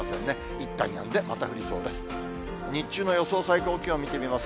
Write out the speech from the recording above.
いったんやんで、また降りそうです。